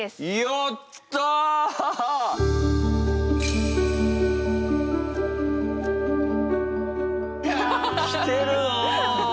やった！わ！来てるな。